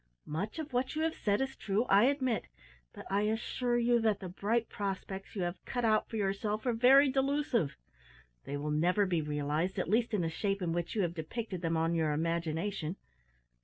Much of what you have said is true, I admit, but I assure you that the bright prospects you have cut out for yourself are very delusive. They will never be realised, at least in the shape in which you have depicted them on your imagination.